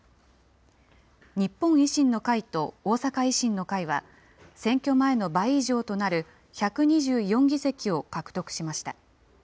日本維新の会と大阪維新の会は、選挙前の倍以上となる、１２４議席を獲得しました。